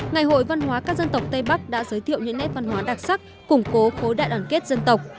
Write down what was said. ngày hội văn hóa các dân tộc tây bắc đã giới thiệu những nét văn hóa đặc sắc củng cố khối đại đoàn kết dân tộc